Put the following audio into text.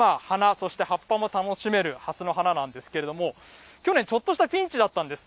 花、そして葉っぱも楽しめるはすの花なんですけれども、去年、ちょっとしたピンチだったんです。